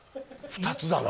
２つだな。